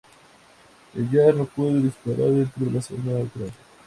El Yar no puede disparar dentro de la zona neutral.